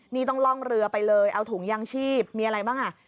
นี่ต้องล่องเรือไปเลยเอาถุงยางชีพมีอะไรบ้างอ่ะ